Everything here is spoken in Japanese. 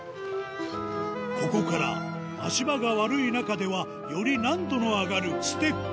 ここから足場が悪い中ではより難度の上がるステップ